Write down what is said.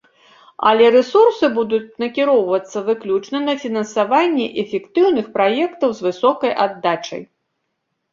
Але рэсурсы будуць накіроўвацца выключна на фінансаванне эфектыўных праектаў, з высокай аддачай.